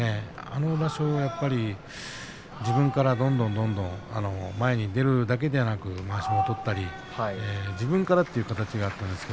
あの場所は自分からどんどんどんどん前に出るだけではなくてまわしを取ったり自分からという形がありました。